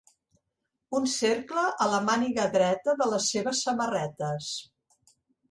Un cercle a la màniga dreta de les seves samarretes.